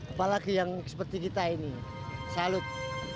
apalagi yang seperti kita ini salut